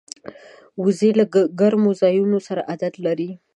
وزې له ګرمو ځایونو سره عادت لري